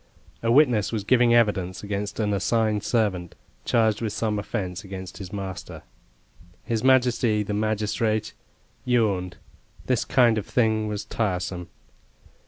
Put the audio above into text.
A witness was giving evidence against an assigned servant, charged with some offence against his master. His majesty, the magistrate, yawned this kind of thing was tiresome.